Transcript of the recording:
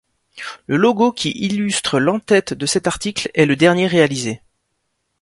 Le logo qui illustre l'entête de cet article est le dernier réalisé.